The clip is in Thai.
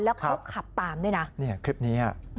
แล้วเขาขับตามด้วยนะเนี่ยคลิปนี้